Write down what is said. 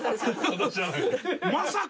まさか！